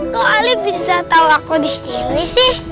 kau ali bisa tahu aku di sini sih